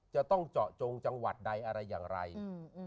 จะต้องเจาะจงจังหวัดใดอะไรอย่างไร